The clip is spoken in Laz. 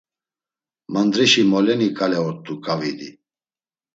Mandreşi moleni ǩale ort̆u ǩavidi.